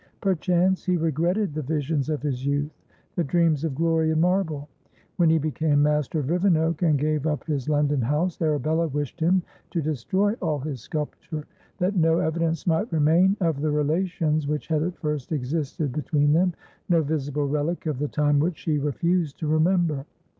Perchance he regretted the visions of his youth, the dreams of glory in marble. When he became master of Rivenoak, and gave up his London house, Arabella wished him to destroy all his sculpture, that no evidence might remain of the relations which had at first existed between them, no visible relic of the time which she refused to remember.